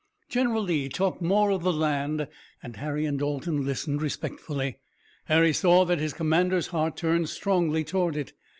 General Lee talked more of the land and Harry and Dalton listened respectfully. Harry saw that his commander's heart turned strongly toward it.